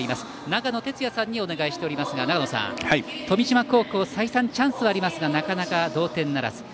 長野哲也さんにお願いしていますが長野さん、富島高校再三チャンスはありますがなかなか同点ならず。